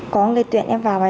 có người tuyển em vào vậy